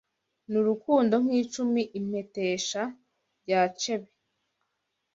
N’urukundo nk’icumi Impetesha rya cebe